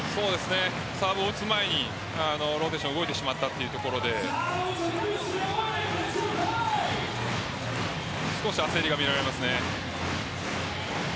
サーブを打つ前にローテーションが動いてしまったということで少し焦りが見られますね。